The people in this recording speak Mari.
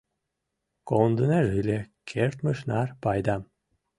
Кондынеже ыле кертмыж нар пайдам.